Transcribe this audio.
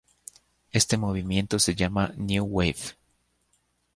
Este movimiento se llama "New Wave".